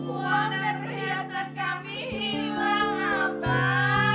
uang dan perhiasan kami hilang abah